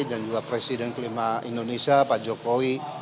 dan juga presiden kelima indonesia pak jokowi